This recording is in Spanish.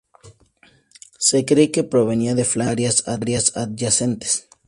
Se cree que provenía de Flandes o áreas adyacentes.